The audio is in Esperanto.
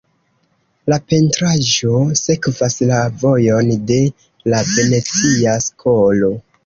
La pentraĵo sekvas la vojon de la venecia skolo.